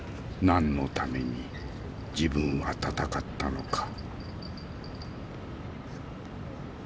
何のために自分は戦ったのか。